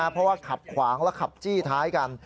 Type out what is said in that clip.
เพราะว่าขับขวางและขับจี้ท้ายกัน